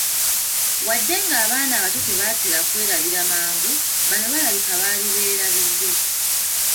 Wadde nga abaana abato tebatera kwerabira mangu, bano balabika baali beerabize.